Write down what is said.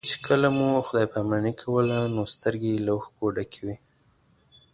چې کله مو خدای پاماني کوله نو سترګې یې له اوښکو ډکې وې.